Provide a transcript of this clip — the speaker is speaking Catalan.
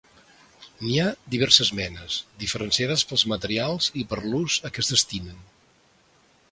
N'hi ha diverses menes, diferenciades pels materials i per l'ús a què es destinen.